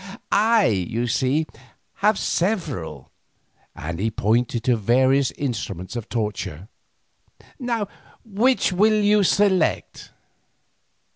I, you see, have several," and he pointed to various instruments of torture. "Which will you select?"